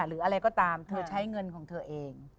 หรืออะไรก็ตามเธอใช้เงินของเธอเอง